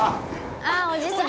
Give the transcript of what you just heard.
あおじさん。